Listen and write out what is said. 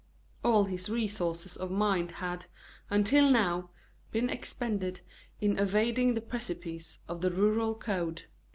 All his resources of mind had, until now, been expended in evading the precipice of the rural code.